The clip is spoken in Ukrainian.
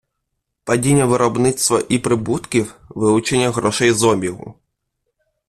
Падіння виробництва і прибутків - вилучення грошей з обігу.